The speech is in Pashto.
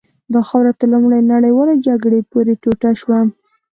دا خاوره تر لومړۍ نړیوالې جګړې وروسته ټوټه شوه.